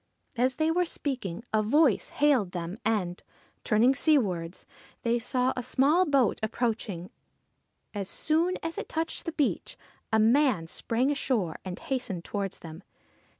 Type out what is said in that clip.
As they were speaking, a voice hailed them ; and, turning sea wards, they saw a small boat approaching. As soon as it touched the beach, a man sprang ashore, and hastened towards them.